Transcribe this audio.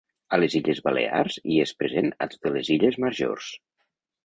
A les illes Balears hi és present a totes les illes majors.